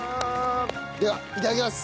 ではいただきます。